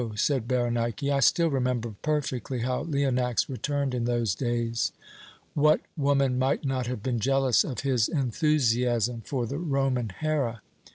said Berenike. "I still remember perfectly how Leonax returned in those days. What woman might not have been jealous of his enthusiasm for the Roman Hera?